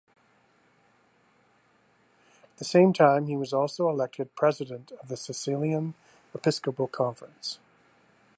At the same time, he was also elected President of the Sicilian Episcopal Conference.